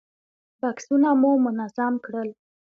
بکسونه مو منظم کړل.